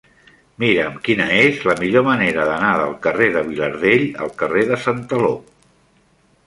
Mira'm quina és la millor manera d'anar del carrer de Vilardell al carrer de Santaló.